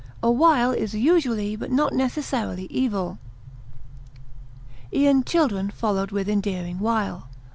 A wile is usually but not necessarily evil. E'en children followed with endearing wile.